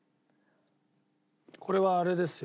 これはあれですよ。